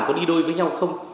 có đi đôi với nhau không